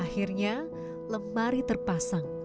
akhirnya lemari terpasang